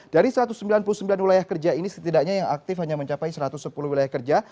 dari satu ratus sembilan puluh sembilan wilayah kerja ini setidaknya yang aktif hanya mencapai satu ratus sepuluh wilayah kerja